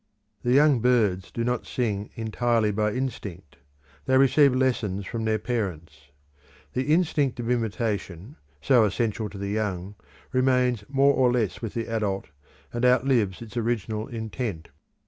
The young birds do not sing entirely by instinct, they receive lessons from their parents. The instinct of imitation, so essential to the young, remains more or less with the adult, and outlives its original intent.